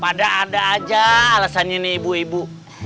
pada ada aja alasannya ini ibu ibu